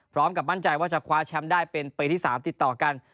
พร้อมกับมั่นใจว่าจะคว้าแชมป์ได้เป็นปีที่๓ติดต่อกัน